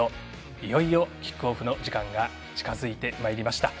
いよいよキックオフの時間が近づいてまいりました。